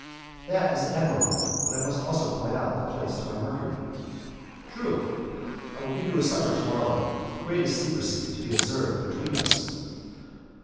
"That is admirable, but I must be able to point out the place to my Mercury." "True! I will give you a supper to morrow, the greatest secrecy to be observed between us.